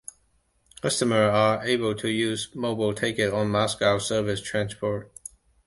Customers are able to use Mobile Ticket on Moscow's surface transport.